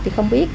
thì không biết